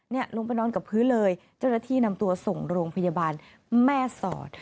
ลงไปนอนกับพื้นเลยเจ้าหน้าที่นำตัวส่งโรงพยาบาลแม่สอด